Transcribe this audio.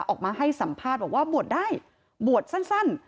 ออกมาให้สัมภาษณ์บอกว่าบวชได้บวชสั้น